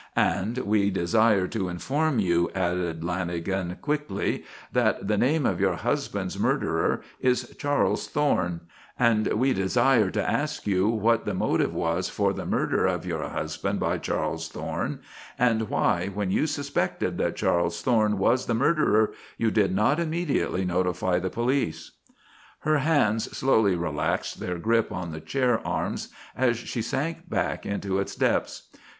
"And we desire to inform you," added Lanagan quickly, "that the name of your husband's murderer is Charles Thorne; and we desire to ask you what the motive was for the murder of your husband by Charles Thorne; and why, when you suspected that Charles Thorne was the murderer, you did not immediately notify the police?" Her hands slowly relaxed their grip on the chair arms as she sank back into its depths.